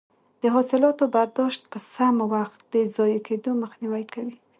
د حاصلاتو برداشت په سم وخت د ضایع کیدو مخنیوی کوي.